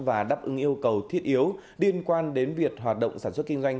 và đáp ứng yêu cầu thiết yếu liên quan đến việc hoạt động sản xuất kinh doanh